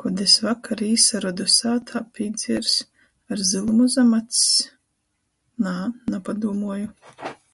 Kod es vakar īsarodu sātā pīdziers ar zylumu zam acs?... -Nā, napadūmuoju.